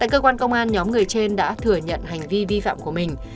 tại cơ quan công an nhóm người trên đã thừa nhận hành vi vi phạm của mình